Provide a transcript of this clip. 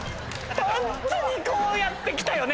ホントにこうやってきたよね